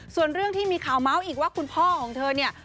ส่วนเรื่องที่มีข่าวเมาส์อีกว่าคุณพ่อของเธอเนี่ย